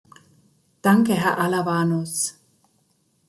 Danke, Herr Alavanos.